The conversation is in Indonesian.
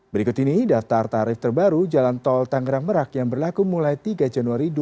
berikut ini daftar tarif terbaru jalan tol tangerang merak yang berlaku mulai tiga januari dua ribu dua puluh